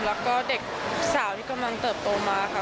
แล้วก็เด็กสาวที่กำลังเติบโตมาค่ะ